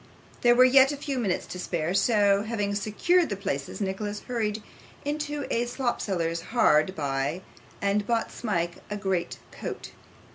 There were yet a few minutes to spare, so, having secured the places, Nicholas hurried into a slopseller's hard by, and bought Smike a great coat.